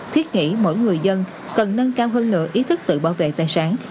thiết nghĩ mỗi người dân cần nâng cao hơn nửa ý thức tự bảo vệ tài sản